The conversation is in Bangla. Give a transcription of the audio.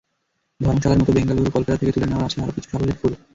ধর্মশালার মতো বেঙ্গালুরু-কলকাতা থেকে তুলে নেওয়ার আছে আরও কিছু সাফল্যের ফুল।